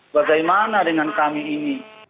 bagaimana dengan kami ini